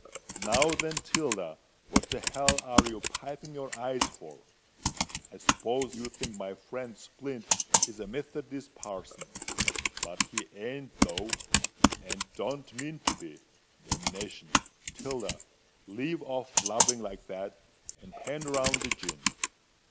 "Now, then, Tilda—what the hell are you piping your eyes for? I s'pose you think my friend Splint is a Methodist parson? But he ain't though—and don't mean to be. Damnation! Tilda, leave off blubbering like that—and hand round the gin.